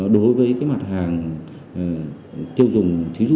đối với cái mặt hàng tiêu dùng